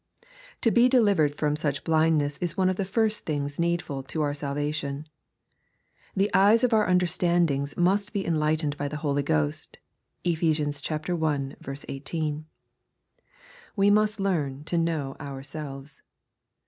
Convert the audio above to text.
To be delivered from such blindness is one of the first things needful to our salvation. The eyes of our understandings must be enh'ghtened by the Holy Ghost. (Ephes. i. 18.) We must learn to know ourselves.